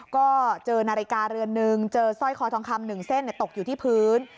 ก็เจอนาฬิกาเรือนนึงเจอสร้อยคอทองคำ๑เส้นตกอยู่ที่พื้น